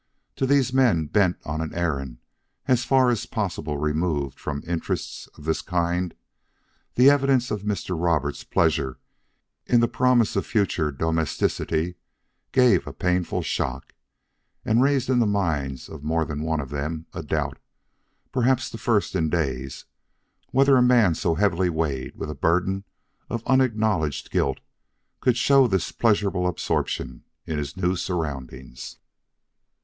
To these men bent on an errand as far as possible removed from interests of this kind, this evidence of Mr. Roberts' pleasure in the promise of future domesticity gave a painful shock, and raised in the minds of more than one of them a doubt perhaps the first in days whether a man so heavily weighted with a burden of unacknowledged guilt could show this pleasurable absorption in his new surroundings.